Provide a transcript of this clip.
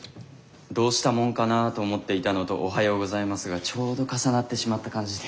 「どうしたもんかなぁ」と思っていたのと「おはようございます」がちょうど重なってしまった感じで。